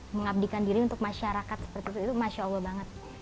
mengabdikan diri untuk masyarakat seperti itu masya allah banget